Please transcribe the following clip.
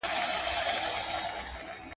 • چي څنگه ئې ځنگل، هغسي ئې چغالان.